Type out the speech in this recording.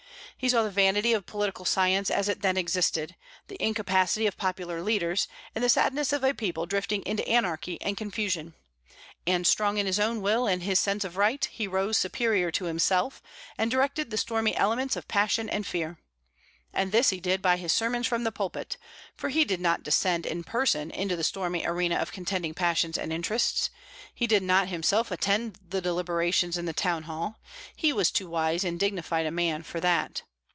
He saw the vanity of political science as it then existed, the incapacity of popular leaders, and the sadness of a people drifting into anarchy and confusion; and, strong in his own will and his sense of right, he rose superior to himself, and directed the stormy elements of passion and fear. And this he did by his sermons from the pulpit, for he did not descend, in person, into the stormy arena of contending passions and interests. He did not himself attend the deliberations in the town hall; he was too wise and dignified a man for that.